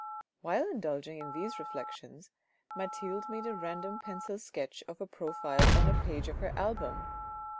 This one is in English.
While indulging in these reflections Mathilde made a random pencil sketch of a profile on a page of her album.